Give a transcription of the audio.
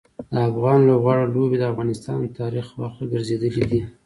د افغان لوبغاړو لوبې د افغانستان د تاریخ برخه ګرځېدلي دي.